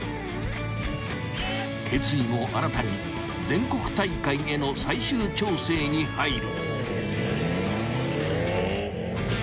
［決意も新たに全国大会への最終調整に入る］